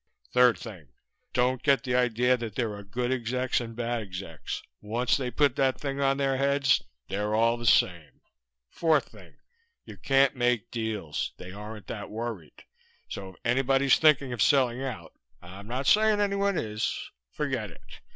Third thing: Don't get the idea there are good execs and bad execs. Once they put that thing on their heads they're all the same. Fourth thing. You can't make deals. They aren't that worried. So if anybody's thinking of selling out I'm not saying anyone is forget it."